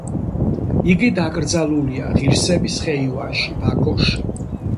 იგი დაკრძალულია „ღირსების ხეივანში“, ბაქოში.